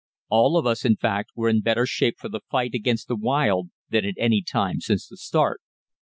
All of us, in fact, were in better shape for the fight against the wild than at any time since the start.